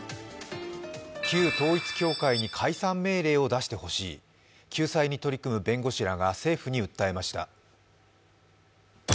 旧統一教会に解散命令を出してほしい、救済に取り組む弁護士らが政府に訴えました。